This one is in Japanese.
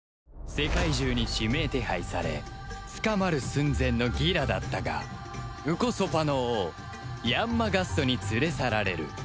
世界中に指名手配され捕まる寸前のギラだったがンコソパの王ヤンマ・ガストに連れ去られる